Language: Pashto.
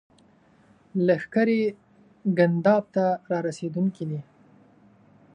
لښکرې ګنداب ته را رسېدونکي دي.